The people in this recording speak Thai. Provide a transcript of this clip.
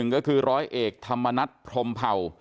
ก็คือร้อยเอกธรรมนัฐพรมเผ่า